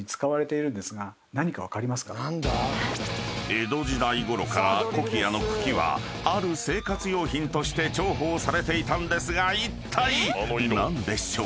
［江戸時代ごろからコキアの茎はある生活用品として重宝されていたんですがいったい何でしょう？］